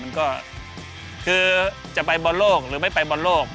มันก็คือจะไปปลูกหรือไม่ไปแล้ว